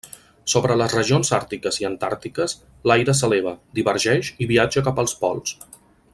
Sobre les regions àrtiques i antàrtiques, l'aire s'eleva, divergeix i viatja cap als pols.